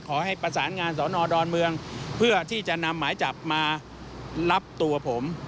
ขอให้ประสานงานสอนอดอนเมืองเพื่อที่จะนำหมายจับมารับตัวผม